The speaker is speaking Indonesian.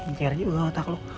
nyeri juga otak lu